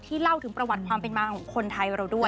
เล่าถึงประวัติความเป็นมาของคนไทยเราด้วย